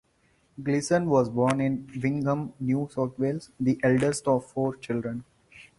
Gleeson was born in Wingham, New South Wales, the eldest of four children.